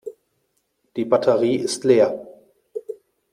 Die Batterie ist leer.